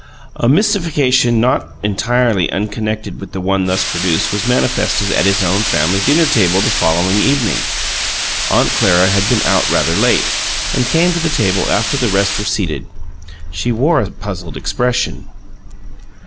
A mystification not entirely unconnected with the one thus produced was manifested at his own family dinner table the following evening. Aunt Clara had been out rather late, and came to the table after the rest were seated. She wore a puzzled expression.